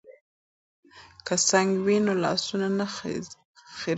که سنک وي نو لاسونه نه خیرنیږي.